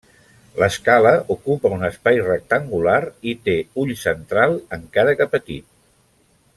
L'escala ocupa un espai rectangular i té ull central, encara que petit.